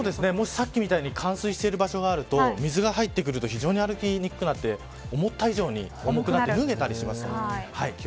さっきみたいに、冠水している場所があると水が入ってくると非常に歩きにくくなって思った以上に重くなって脱げたりします。